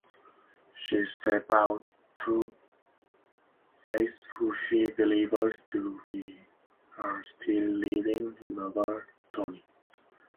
She steps out to face who she believes to be her still-living lover, Tony.